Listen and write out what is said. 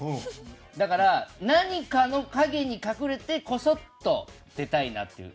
だから、何かの陰に隠れてこそっと出たいなという。